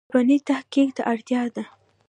ژبني تحقیق ته اړتیا ده.